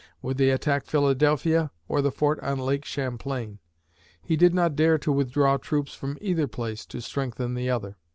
Would they attack Philadelphia or the fort on Lake Champlain? He did not dare to withdraw troops from either place to strengthen the other.